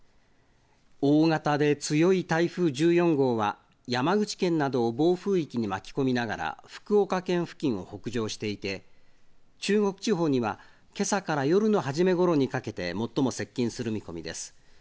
大型で強い台風１４号は、山口県などを暴風域に巻き込みながら福岡県付近を北上していて、中国地方には、けさから夜の初めごろにかけて最も接近する見込みです。